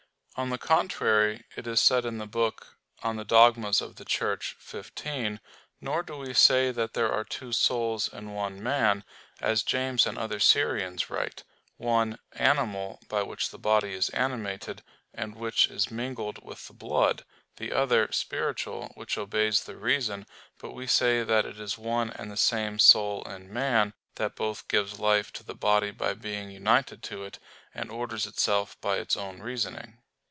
On the contrary, It is said in the book De Ecclesiasticis Dogmatibus xv: "Nor do we say that there are two souls in one man, as James and other Syrians write; one, animal, by which the body is animated, and which is mingled with the blood; the other, spiritual, which obeys the reason; but we say that it is one and the same soul in man, that both gives life to the body by being united to it, and orders itself by its own reasoning."